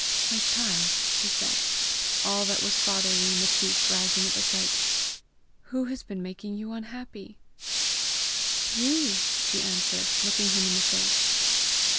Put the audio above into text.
"My child!" he said, all that was fatherly in the chief rising at the sight, "who has been making you unhappy?" "You," she answered, looking him in the face.